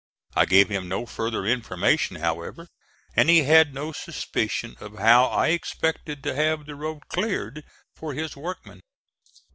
I gave him no further information however, and he had no suspicion of how I expected to have the road cleared for his workmen.